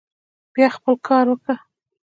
بيا خپل کار وکه.